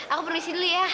aku permisi dulu ya